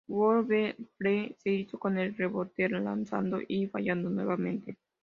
World B. Free se hizo con el rebote, lanzando y fallando nuevamente.